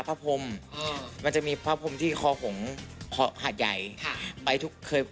ภาพมเออมันจะมีภาพมที่ขอหงษ์ขอหาดใหญ่ค่ะไปทุกเคย